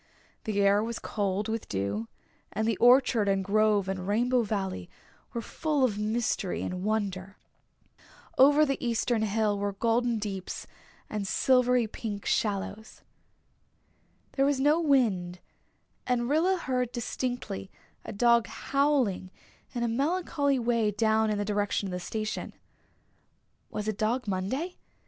The air was cold with dew and the orchard and grove and Rainbow Valley were full of mystery and wonder. Over the eastern hill were golden deeps and silvery pink shallows. There was no wind, and Rilla heard distinctly a dog howling in a melancholy way down in the direction of the station. Was it Dog Monday?